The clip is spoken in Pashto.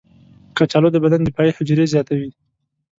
کچالو د بدن دفاعي حجرې زیاتوي.